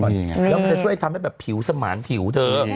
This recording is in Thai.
แล้วมันจะช่วยทำให้แบบผิวสมานผิวเธอ